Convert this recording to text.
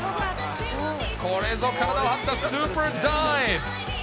これぞ、体を張ったスーパーダイブ。